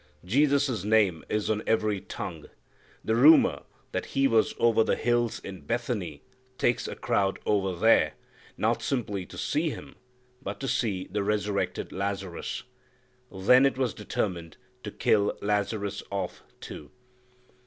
Jesus' name is on every tongue. The rumor that He was over the hills in Bethany takes a crowd over there, not simply to see Him, but to see the resurrected Lazarus. Then it was determined to kill Lazarus off, too.